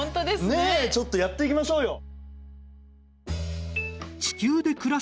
ねえちょっとやっていきましょうよ。